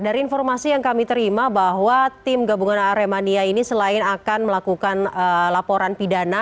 dari informasi yang kami terima bahwa tim gabungan aremania ini selain akan melakukan laporan pidana